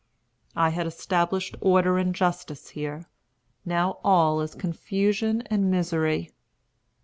I had established order and justice here; now all is confusion and misery.